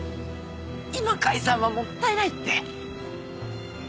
今解散はもったいないって。